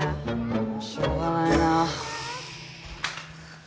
しょうがないな。